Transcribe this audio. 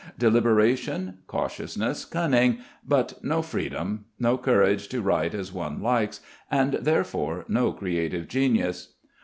Deliberation, cautiousness, cunning: but no freedom, no courage to write as one likes, and therefore no creative genius.